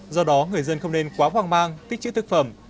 do đó người dân không nên quá hoang mang tích chữ thực phẩm